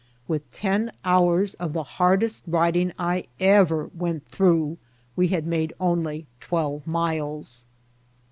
With ten hours of the hardest riding I ever went through, we had made only twelve miles.